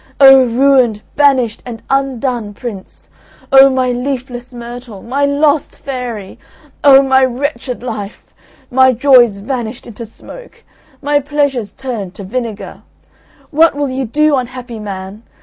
O ruined, banished, and undone prince! O my leafless myrtle! my lost fairy! O my wretched life! my joys vanished into smoke! my pleasures turned to vinegar! What will you do, unhappy man!